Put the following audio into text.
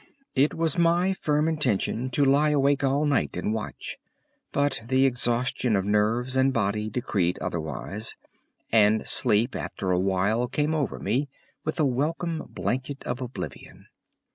V. It was my firm intention to lie awake all night and watch, but the exhaustion of nerves and body decreed otherwise, and sleep after a while came over me with a welcome blanket of oblivion.